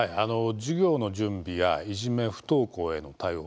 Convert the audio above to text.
授業の準備やいじめ、不登校への対応